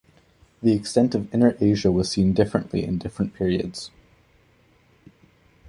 The extent of Inner Asia was seen differently in different periods.